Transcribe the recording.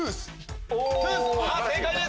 正解です。